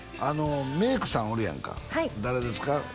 あのメイクさんおるやんか誰ですか？